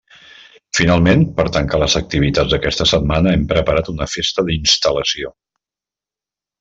Finalment, per tancar les activitats d'aquesta setmana hem preparat una Festa d'instal·lació.